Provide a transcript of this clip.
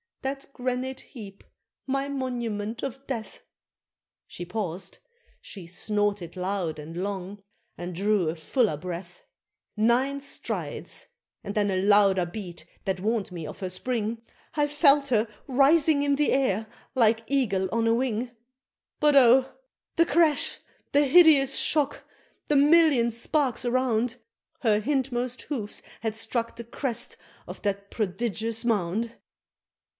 that granite heap my monument of death! She paused, she snorted loud and long, and drew a fuller breath; Nine strides and then a louder beat that warn'd me of her spring, I felt her rising in the air like eagle on the wing But oh! the crash! the hideous shock! the million sparks around! Her hindmost hoofs had struck the crest of that prodigious mound!